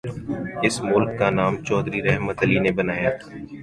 اس ملک کا نام چوہدری رحمت علی نے بنایا تھا۔